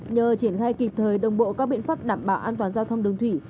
nhờ triển khai kịp thời đồng bộ các biện pháp đảm bảo an toàn giao thông đường thủy